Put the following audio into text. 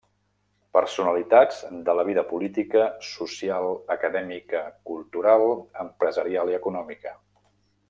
Personalitats de la vida política, social, acadèmica, cultural, empresarial i econòmica.